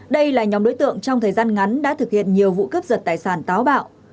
đây là nhóm đối tượng trong thời gian ngắn đã thực hiện nhiều vụ cướp giật tài sản táo bạo